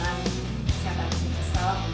dan memiliki kesempatan